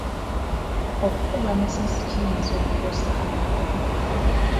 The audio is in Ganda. Okukuba amasasi kiyinza okukosa abantu.